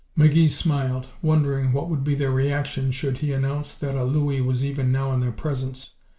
McGee smiled, wondering what would be their reaction should he announce that "a Looie" was even now in their presence.